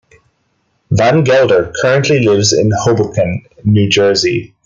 Van Gelder currently lives in Hoboken, New Jersey.